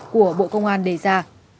của bộ công an đề ra